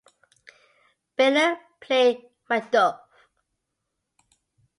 Bayler played Macduff.